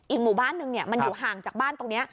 หมู่บ้านหนึ่งมันอยู่ห่างจากบ้านตรงนี้